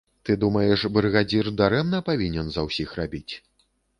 Ты думаеш, брыгадзір дарэмна павінен за ўсіх рабіць?